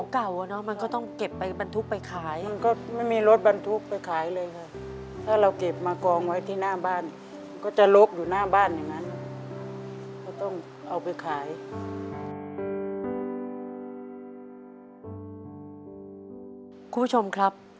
คุณผู้ชมครับ